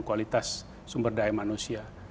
kualitas sumber daya manusia